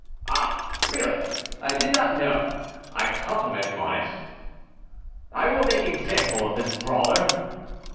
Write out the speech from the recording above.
"Ah! really I did not know; I compliment him on it." "I will make example of this brawler."